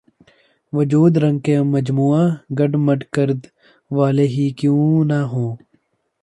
وجود رنگ کے مجموعہ گڈ مڈ کر د والے ہی کیوں نہ ہوں